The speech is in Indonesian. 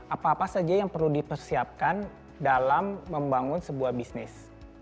apa apa saja yang perlu dipersiapkan dalam membangun sebuah bisnis